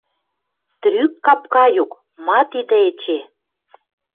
Трӱк капка юк... Ма тидӹ эче?